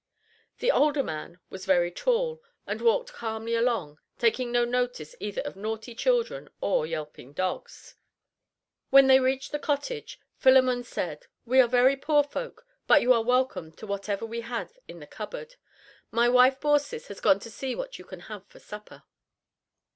The older man was very tall, and walked calmly along, taking no notice either of naughty children or yelping dogs. When they reached the cottage gate, Philemon said, "We are very poor folk, but you are welcome to whatever we have in the cupboard. My wife Baucis has gone to see what you can have for supper."